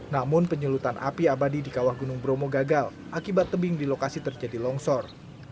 namun penyulutan api abadi di kawah gunung bromo gagal akibat tebing di lokasi terjadi longsor